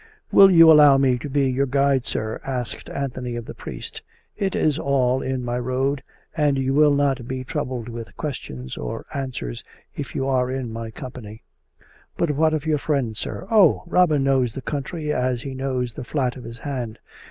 " Will you allow me to be your guide, sir ?" asked An thony of the priest. " It is all in my road, and you will not be troubled with questions or answers if you are in my company." " But what of your friend, sir ?"" Oh ! Robin knows the country as he knows the flat of bis hand.